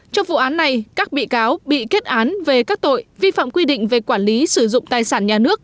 trong vụ án này các bị cáo bị kết án về các tội vi phạm quy định về quản lý sử dụng tài sản nhà nước